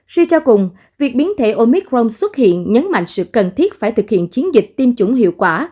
suy cho cùng việc biến thể omicron xuất hiện nhấn mạnh sự cần thiết phải thực hiện chiến dịch tiêm chủng hiệu quả